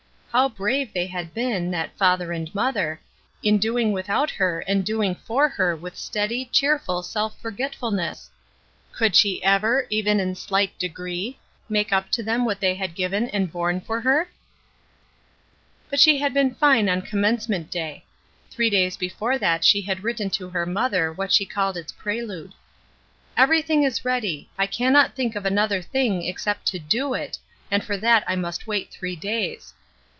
How brave they had been, that father and mother, in doing without her and doing for her with steady, cheerful self f orgetf ulness ! Could she ever, even in slight degree, make up to them what they had given and borne for her ? But she had been fine on Commencement Day. Three days before that she had written to her mother what she called its prelude. " Everything is ready ; I cannot think of another thing except to do it, and for that I must wait three days.